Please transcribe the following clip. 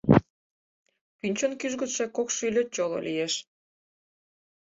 Пӱнчын кӱжгытшӧ кок шӱльӧ чоло лиеш.